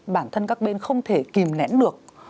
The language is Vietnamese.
bản thân các bên không thể kìm nén được